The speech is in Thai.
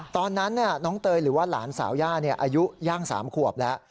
ตอนนั้นน้องเตยหรือว่าหลานสาวย่าอายุย่าง๓ขวบแล้ว